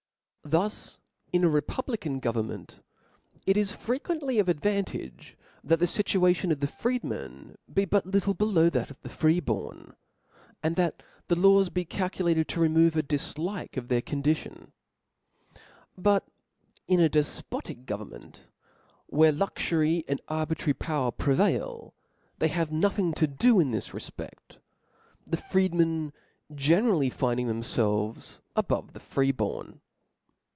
TpHUS in a republican government, it is •*■ frequently of advantage, that the fituation of the freedmen be but little below that of the free born, and that the laws be calculated to re move a dislike of their condition* But in a def potic government, where * luxury and arbitrary power prevail, they have nothing to do in this refpe6t ; the freedmen generally find them felvcs above the free born.